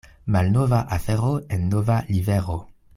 Malnova afero en nova livero.